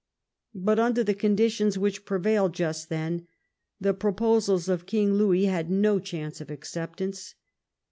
But under the conditions which prevailed just then the proposals of King Louis had no chance of acceptance.